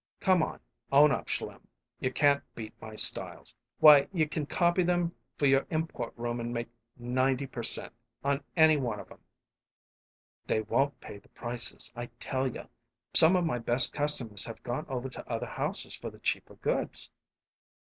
Come on own up, Schlim; you can't beat my styles. Why, you can copy them for your import room and make ninety per cent, on any one of 'em!" "They won't pay the prices, I tell you. Some of my best customers have gone over to other houses for the cheaper goods."